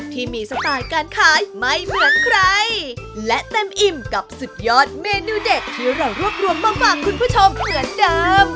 ที่มีสไตล์การขายไม่เหมือนใครและเต็มอิ่มกับสุดยอดเมนูเด็ดที่เรารวบรวมมาฝากคุณผู้ชมเหมือนเดิม